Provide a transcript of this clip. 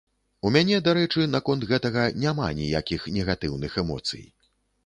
У мяне, дарэчы, наконт гэтага няма ніякіх негатыўных эмоцый.